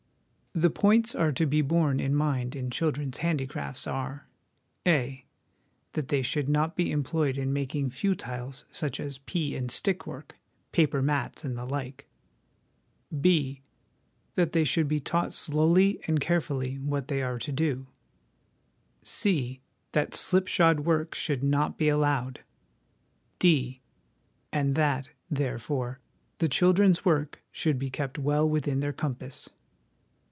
The points to be borne in mind in children's handicrafts are : (a) that they should not be employed in making futilities such as pea and stick work, paper mats, and the like ; (b) that they should be taught slowly and carefully what they are to do; (c) that slipshod work should 1 See Appendix A. 3l6 HOME EDUCATION not be allowed ; (d) and that, therefore, the children's work should be kept well within their compass.